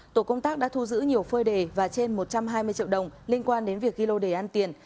tổ công tác đã thu giữ nhiều phơi đề và trên một trăm hai mươi triệu đồng liên quan đến việc ghi lô đề ăn tiền